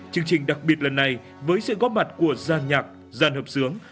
chương trình đặc biệt lần này với sự góp mặt của dàn nhạc dàn hợp dưỡng